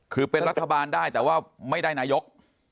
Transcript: คือเป็นรัฐบาลได้แต่ว่าไม่ได้นายก